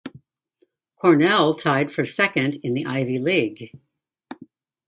Cornell tied for second in the Ivy League.